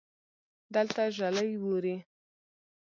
دلته ژلۍ ووري